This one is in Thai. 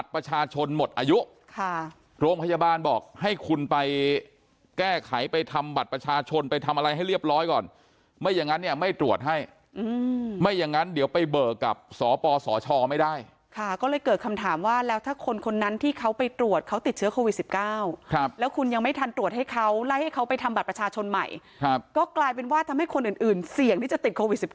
ไปแก้ไขไปทำบัตรประชาชนไปทำอะไรให้เรียบร้อยก่อนไม่อย่างนั้นเนี่ยไม่ตรวจให้ไม่อย่างนั้นเดี๋ยวไปเบลอกับสปสชไม่ได้ค่ะก็เลยเกิดคำถามว่าแล้วถ้าคนคนนั้นที่เขาไปตรวจเขาติดเชื้อโควิดสิบเก้าครับแล้วคุณยังไม่ทันตรวจให้เขาแล้วให้เขาไปทำบัตรประชาชนใหม่ครับก็กลายเป็นว่าทำให้คนอื่นเสี่ยงที่